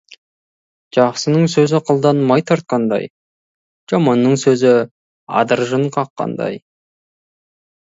Жақсының сөзі қылдан май тартқандай, жаманның сөзі адыр жын қаққандай.